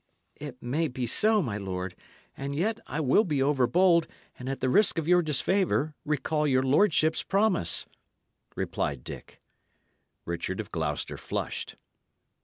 "It may be so, my lord; and yet I will be overbold, and at the risk of your disfavour, recall your lordship's promise," replied Dick. Richard of Gloucester flushed.